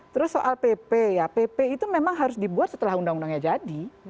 terus soal pp ya pp itu memang harus dibuat setelah undang undangnya jadi